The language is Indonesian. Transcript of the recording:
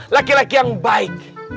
laki laki yang baik